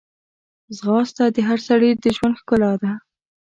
ځغاسته د هر سړي د ژوند ښکلا ده